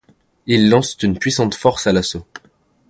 Ils lancent une puissante force à l’assaut.